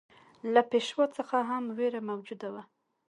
له پېشوا څخه هم وېره موجوده وه.